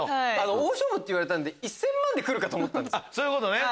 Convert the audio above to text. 大勝負って言われたんで１０００万でくると思ったんです。